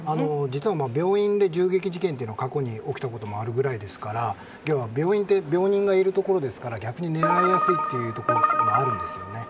実は病院で銃撃事件が過去に起きたこともあるぐらいですから病院って病人がいるところなので逆に狙われやすいところもあるんですよね。